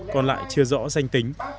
còn lại chưa rõ danh tính